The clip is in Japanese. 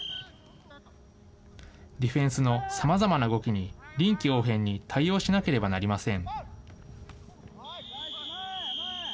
ディフェンスのさまざまな動きに、臨機応変に対応しなければなりません。